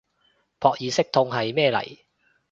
撲熱息痛係咩嚟